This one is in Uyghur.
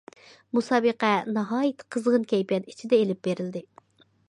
مۇسابىقە ناھايىتى قىزغىن كەيپىيات ئىچىدە ئېلىپ بېرىلدى.